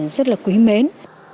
rất là quý mến